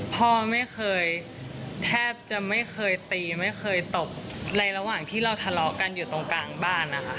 พ่อไม่เคยแทบจะไม่เคยตีไม่เคยตบในระหว่างที่เราทะเลาะกันอยู่ตรงกลางบ้านนะคะ